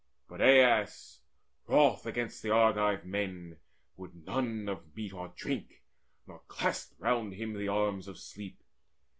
But Aias, wroth against the Argive men, Would none of meat or drink, nor clasped him round The arms of sleep.